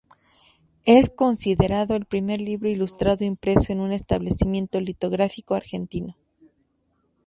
Es considerado el primer libro ilustrado impreso en un establecimiento litográfico argentino.